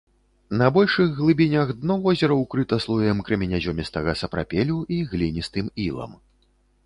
На большых глыбінях дно возера ўкрыта слоем крэменязёмістага сапрапелю і гліністым ілам.